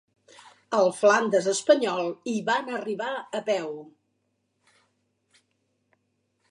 Al Flandes espanyol hi van arribar a peu.